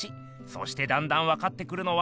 そしてだんだんわかってくるのは。